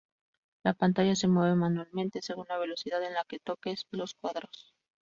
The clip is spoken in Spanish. La pantalla se mueve manualmente, según la velocidad en la que toques los cuadrados.